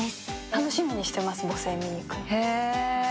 楽しみにしています、「母性」見に行くの。